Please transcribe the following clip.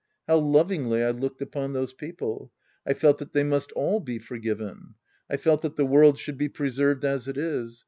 How lovingly I looked upon those people ! I felt that they must all be forgiven. I felt that the world should be preserved as it is.